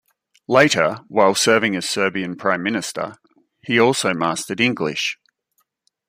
Later, while serving as Serbian prime minister, he also mastered English.